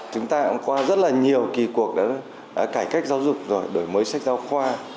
chúng ta cũng qua rất là nhiều kỳ cuộc cải cách giáo dục rồi đổi mới sách giáo khoa